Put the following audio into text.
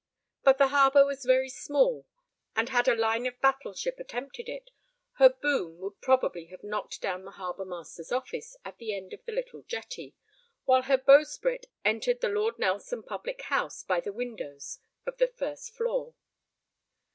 But the harbour was very small, and had a line of battle ship attempted it, her boom would probably have knocked down the harbour master's office at the end of the little jetty, while her bowsprit entered the Lord Nelson public house by the windows of the first floor.